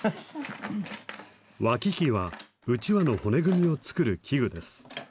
わき器はうちわの骨組みを作る器具です。